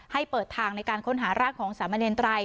เปิดทางในการค้นหาร่างของสามเณรไตร